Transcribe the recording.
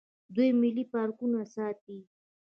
دوی ملي پارکونه ساتي.